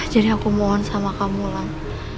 jadi aku mohon sama kamu lang